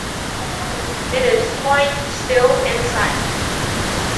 It is quite still and silent.